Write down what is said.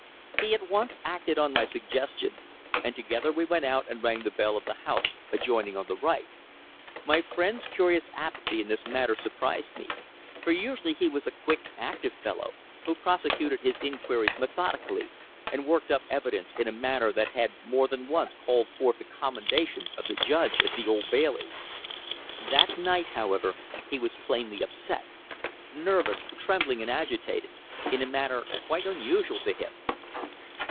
He at once acted on my suggestion, and together we went out and rang the bell of the house adjoining on the right. My friend's curious apathy in this matter surprised me, for usually he was a quick, active fellow, who prosecuted his inquiries methodically, and worked up evidence in a manner that had more than once called forth the commendation of the judge at the Old Bailey. That night, however, he was plainly upset nervous, trembling and agitated, in a manner quite unusual to him.